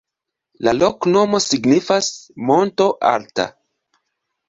La loknomo signifas: monto-alta.